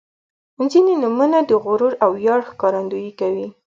• ځینې نومونه د غرور او ویاړ ښکارندويي کوي.